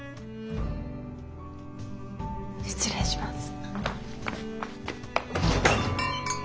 失礼します。